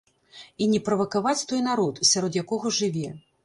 І не правакаваць той народ, сярод якога жыве.